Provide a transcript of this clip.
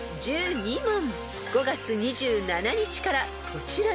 ［５月２７日からこちらの問題］